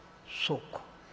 「そうか。